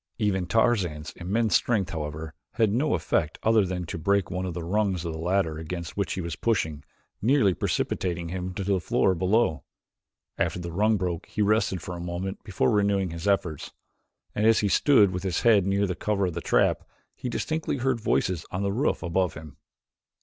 Even Tarzan's immense strength, however, had no effect other than to break one of the rungs of the ladder against which he was pushing, nearly precipitating him to the floor below. After the rung broke he rested for a moment before renewing his efforts, and as he stood with his head near the cover of the trap, he distinctly heard voices on the roof above him.